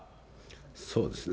そうですね。